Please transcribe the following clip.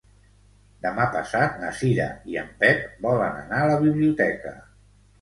Demà passat na Cira i en Pep volen anar a la biblioteca.